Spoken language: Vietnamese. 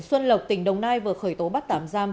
xuân lộc tỉnh đồng nai vừa khởi tố bắt tạm giam